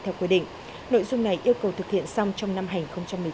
theo quy định nội dung này yêu cầu thực hiện xong trong năm hành một mươi chín